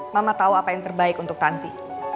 mama tahu apa yang terbaik untuk tanti